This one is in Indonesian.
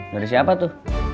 dari siapa tuh